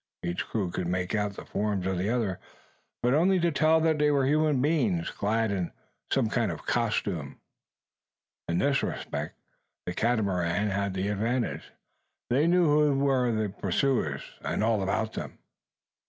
Each crew could make out the forms of the other; but only to tell that they were human beings clad in some sort of costume. In this respect the Catamarans had the advantage. They knew who were their pursuers; and all about them.